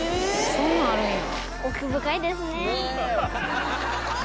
そんなんあるんや！